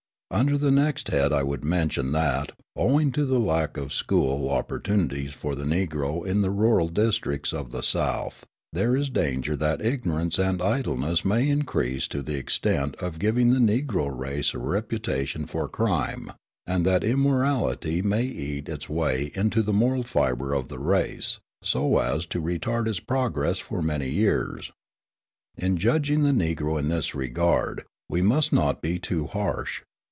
_ Under the next head I would mention that, owing to the lack of school opportunities for the Negro in the rural districts of the South, there is danger that ignorance and idleness may increase to the extent of giving the Negro race a reputation for crime, and that immorality may eat its way into the moral fibre of the race, so as to retard its progress for many years. In judging the Negro in this regard, we must not be too harsh.